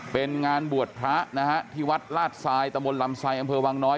เป็นงานบวชพระนะฮะที่วัดลาดทรายตะบนลำทรายอำเภอวังน้อย